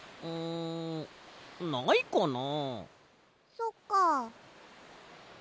そっか。